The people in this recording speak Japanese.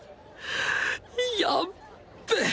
やっべえ！